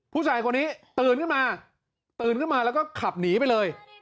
ผู้ชายคนนี้ตื่นขึ้นมาตื่นขึ้นมาแล้วก็ขับหนีไปเลย